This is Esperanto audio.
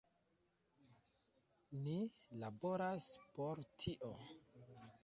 Ni laboras por tio.